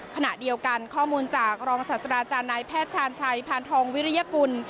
ขณะเดียวกันข้อมูลจากรองศาสตราจารย์นายแพทย์ชาญชัยพานทองวิริยกุล